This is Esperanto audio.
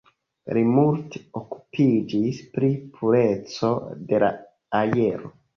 Li multe okupiĝis pri pureco de la aero.